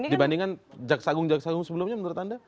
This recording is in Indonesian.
dibandingkan jaksa agung jaksa agung sebelumnya menurut anda